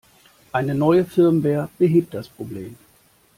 Eine neue Firmware behebt das Problem.